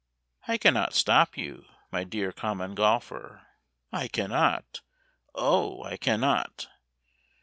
I cannot stop you, my dear Common Golfer, I cannot, O I cannot!